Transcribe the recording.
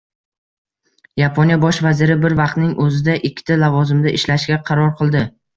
Yaponiya bosh vaziri bir vaqtning o‘zida ikkita lavozimda ishlashga qaror qildi